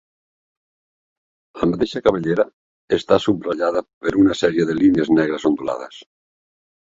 La mateixa cabellera està subratllada per una sèrie de línies negres ondulades.